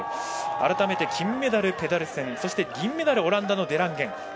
改めて金メダルペデルセンそして銀メダルオランダのデランゲン